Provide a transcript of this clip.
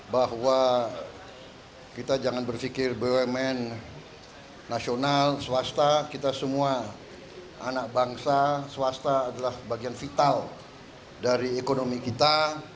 bahwa kita jangan berpikir bumn nasional swasta kita semua anak bangsa swasta adalah bagian vital dari ekonomi kita